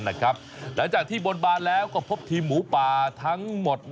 หลังจากที่บนบานแล้วก็พบทีมหมูป่าทั้งหมด